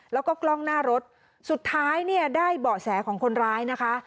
แล้วก็กล้องหน้ารถสุดท้ายเนี่ยได้เบาะแสของคนร้ายนะคะ